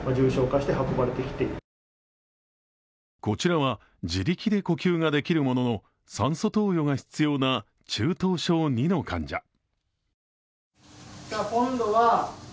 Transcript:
こちらは自力で呼吸ができるものの、酸素投与が必要な中等症Ⅱの患者。